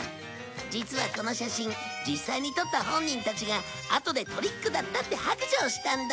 実はこの写真実際に撮った本人たちがあとで「トリックだった」って白状したんだ！